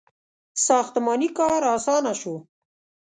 • ساختماني کار آسانه شو.